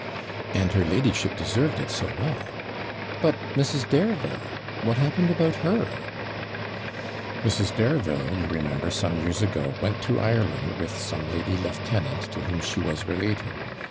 'And her ladyship deserved it so well. But Mrs. Dareville, what happened about her?' 'Mrs. Dareville, you remember, some years ago, went to Ireland with some lady lieutenant to whom she was related.